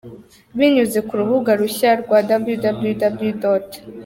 Binyuze ku rubuga rushya rwa www.